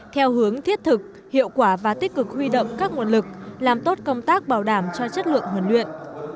theo hướng thiết thực hiệu quả và tích cực huy động các nguồn lực làm tốt công tác bảo đảm cho chất lượng huấn luyện